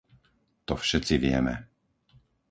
To všetci vieme.